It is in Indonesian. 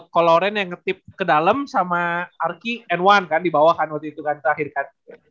coloren yang ngetip ke dalam sama arki and wan kan dibawah kan waktu itu kan terakhir kan